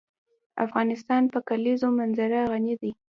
افغانستان په د کلیزو منظره غني دی.